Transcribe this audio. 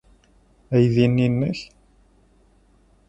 Aydi-nni nnek?